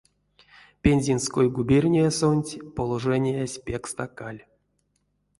Пензенской губерниясонть положениясь пек стакаль.